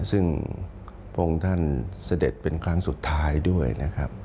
ซึ่งพระองค์ท่านเสด็จเป็นครั้งสุดท้ายด้วยนะครับ